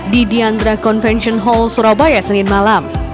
di diandra convention hall surabaya senin malam